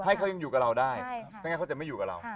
ให้เขายังอยู่กับเราได้ถ้างั้นเขาจะไม่อยู่กับเรา